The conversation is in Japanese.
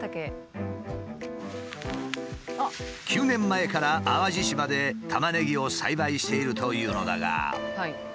９年前から淡路島でタマネギを栽培しているというのだが。